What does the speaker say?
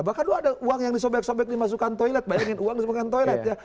bahkan dulu ada uang yang disobek sobek dimasukkan toilet bayangin uang dimakan toilet ya